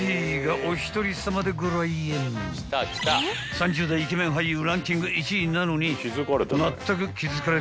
［３０代イケメン俳優ランキング１位なのに］